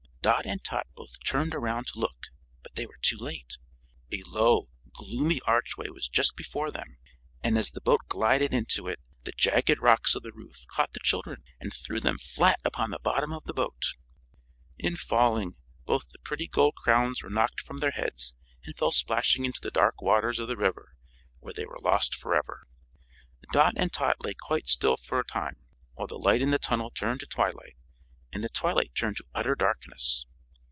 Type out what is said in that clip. Dot and Tot both turned around to look, but they were too late. A low, gloomy archway was just before them, and as the boat glided into it, the jagged rocks of the roof caught the children and threw them flat upon the bottom of the boat. In falling, both the pretty gold crowns were knocked from their heads and fell splashing into the dark waters of the river, where they were lost forever. Dot and Tot lay quite still for a time, while the light in the tunnel turned to twilight, and the twilight turned to utter darkness.